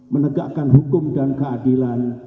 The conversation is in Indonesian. menegakkan hukum dan keadilan